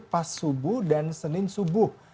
pas subuh dan senin subuh